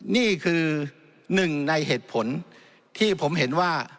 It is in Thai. นี่คือหนึ่งในเหตุผลที่ผมเห็นว่า